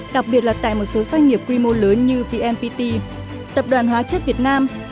đặc biệt là tại một số doanh nghiệp quy mô lớn như vnpt tập đoàn hóa chất việt nam